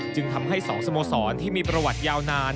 จึงทำให้๒สโมสรที่มีประวัติยาวนาน